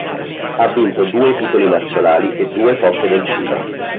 Ha vinto due titoli nazionali e due coppe del Cile.